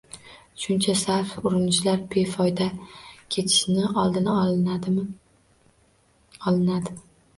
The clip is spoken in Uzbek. Shuncha sarf, urinishlar befoyda ketishining oldi olinadimi? Olinadi!